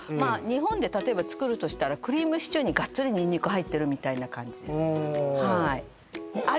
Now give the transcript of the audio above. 日本で例えば作るとしたらクリームシチューにガッツリにんにく入ってるみたいな感じですああ